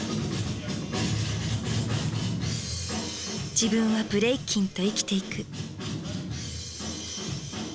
自分はブレイキンと生きていく。